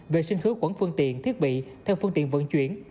vệ sinh hướng quẩn phương tiện thiết bị theo phương tiện vận chuyển